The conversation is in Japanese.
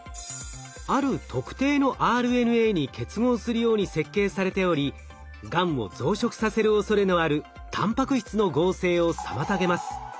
ある特定のＲＮＡに結合するように設計されておりがんを増殖させるおそれのあるたんぱく質の合成を妨げます。